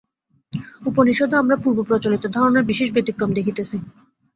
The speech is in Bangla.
উপনিষদে আমরা পূর্বপ্রচলিত ধারণার বিশেষ ব্যতিক্রম দেখিতেছি।